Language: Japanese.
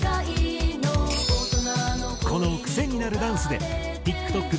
このクセになるダンスでＴｉｋＴｏｋ